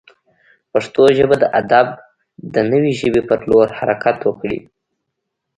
پښتو ژبه د ادب د نوې ژبې پر لور حرکت وکړي.